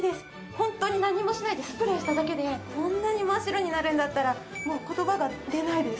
ホントに何もしないでスプレーしただけでこんなに真っ白になるんだったらもう言葉が出ないです。